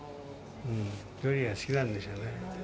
料理が好きなんでしょうね。